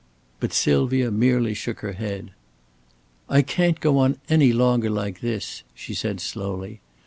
But Sylvia merely shook her head. "I can't go on any longer like this," she said, slowly.